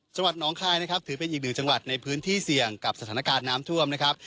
น้องคายนะครับถือเป็นอีกหนึ่งจังหวัดในพื้นที่เสี่ยงกับสถานการณ์น้ำท่วมนะครับ